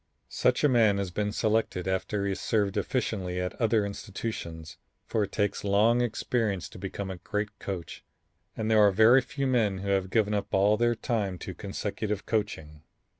Such a man has been selected after he has served efficiently at other institutions, for it takes long experience to become a great coach and there are very few men who have given up all their time to consecutive coaching.